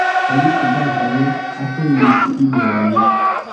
Li kvazaŭ atendis ion.